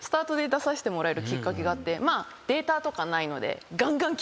データとかないので。